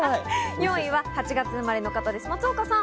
４位は８月生まれの方です、松岡さん。